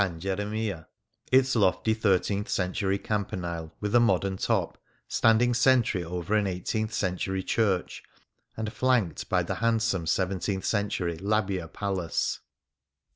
Geremia, its lofty thirteenth century campanile, with a modem top, standing sentry over an eighteenth century church, and flanked by the handsome seventeenth century Labbia Palace.